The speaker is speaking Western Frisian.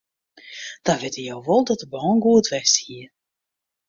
Dan witte je wol dat de bân goed west hie.